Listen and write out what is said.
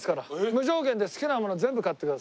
無上限で好きなもの全部買ってください。